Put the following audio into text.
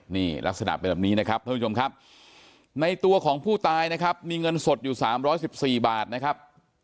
นี่ลักษณะเป็นแบบนี้นะครับท่านผู้ชมครับในตัวของผู้ตายนะครับมีเงินสดอยู่๓๑๔บาทนะครับ